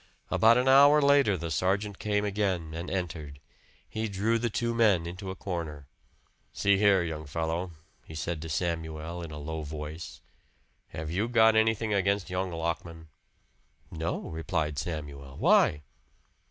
About an hour later the sergeant came again and entered. He drew the two men into a corner. "See here, young fellow," he said to Samuel in a low voice. "Have you got anything against young Lockman?" "No," replied Samuel. "Why?"